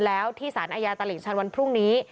แล้วที่สารอาญาตลิ่งชันวันพรุ่งนี้